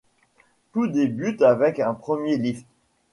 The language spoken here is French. Tout débute avec un premier lift.